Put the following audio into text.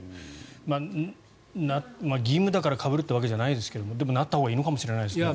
義務だからかぶるというわけじゃないですがでも、なったほうがいいのかもしれませんね。